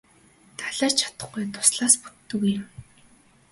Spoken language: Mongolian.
Далай ч атугай дуслаас бүтдэг юм.